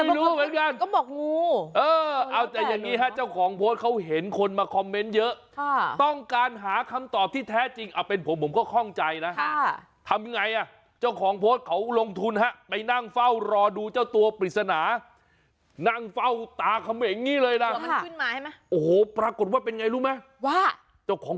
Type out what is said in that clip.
มาคำแบบอย่างนี้เลยนะโอ้โหปรากฏว่าเป็นยังไงรู้มั้ยจ้าของพจน์